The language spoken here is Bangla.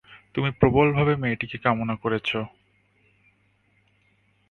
তুমি প্রবলভাবে মেয়েটিকে কামনা করেছ।